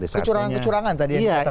kecurangan kecurangan tadi yang dikatakan